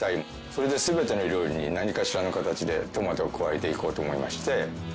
それで全ての料理に何かしらの形でトマトを加えていこうと思いまして。